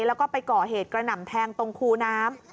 แล้วก็ไปก่อเหตุกระหน่ำแทงตรงคูน้ำ